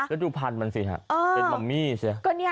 แล้วดูพันธุ์มันสิฮะเป็นมัมมี่สิ